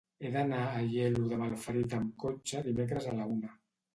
He d'anar a Aielo de Malferit amb cotxe dimecres a la una.